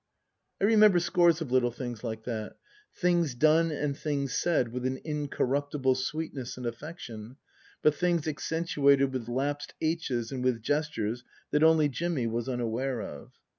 I remember scores of little things like that, things done and things said with an incorruptible sweetness and affection, but things accentuated with lapsed aitches and with gestures that only Jimmy was unaware of.